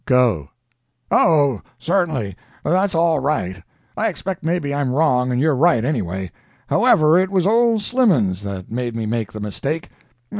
Go." "Oh, certainly—that's all right. I expect maybe I'm wrong and you're right, anyway. However, it was old Slimmens that made me make the mistake.